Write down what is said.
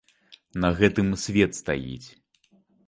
На гэтым свет стаіць.